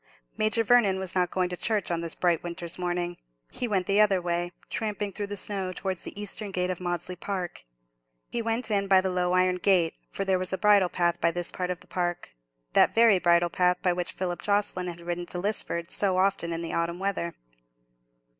Major Vernon was not going to church on this bright winter's morning. He went the other way, tramping through the snow, towards the eastern gate of Maudesley Park. He went in by the low iron gate, for there was a bridle path by this part of the park—that very bridle path by which Philip Jocelyn had ridden to Lisford so often in the autumn weather.